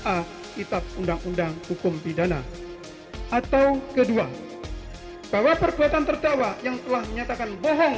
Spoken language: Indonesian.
atau kedua bahwa perbuatan terdakwa yang telah menyatakan bohong